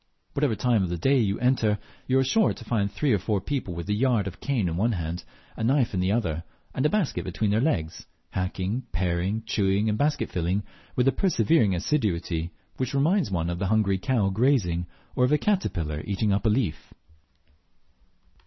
Whatever time of the day you enter, you are sure to find three or four people with a yard of cane in one hand, a knife in the other, and a basket between their legs, hacking, paring, chewing, and basket filling, with a persevering assiduity which reminds one of a hungry cow grazing, or of a caterpillar eating up a leaf.